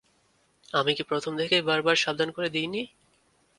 আমি কি প্রথম থেকেই বার বার সাবধান করে দিই নি?